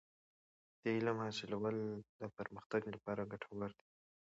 د علم حاصلول د پرمختګ لپاره ګټور دی.